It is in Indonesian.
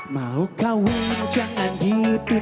mau kawin jangan gitu